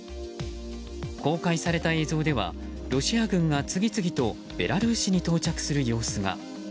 公開された映像ではロシア軍が次々とベラルーシに到着する様子が。